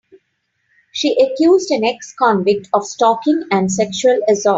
She accused an ex-convict of stalking and sexual assault.